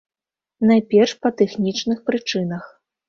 Найперш па тэхнічных прычынах.